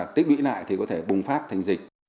tích lũy lại thì có thể bùng phát thành dịch